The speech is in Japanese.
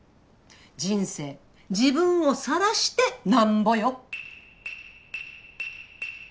人生自分をさらしてなんぼよ。